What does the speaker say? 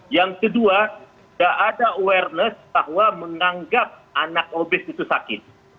yang kedua tidak ada awareness bahwa menganggap anak obes itu sakit